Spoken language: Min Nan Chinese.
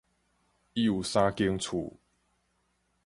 伊有三間厝